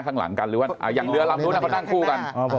ข้างหลังกันหรือว่าอย่างเรือลำนู้นเขานั่งคู่กัน